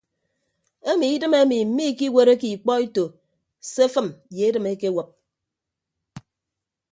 Emi idịm emi miikiwereke ikpọ eto se afịm ye edịm ekewịp.